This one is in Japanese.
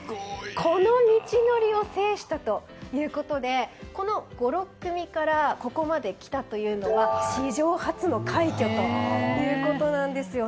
この道のりを制したということでこの５６組からここまで来たというのは史上初の快挙ということなんです。